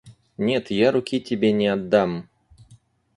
Нет, я руки тебе не отдам.